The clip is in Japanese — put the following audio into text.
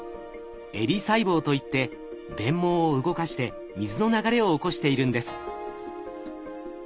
襟細胞といって鞭毛を動かして水の流れを起こしているんです。